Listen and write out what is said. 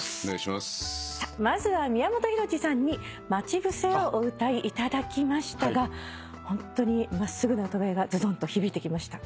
まずは宮本浩次さんに『まちぶせ』をお歌いいただきましたがホントに真っすぐな歌声がズドンと響いてきました。